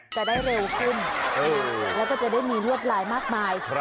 จะได้เร็วขึ้นแล้วก็จะได้มีรวดลายมากมาย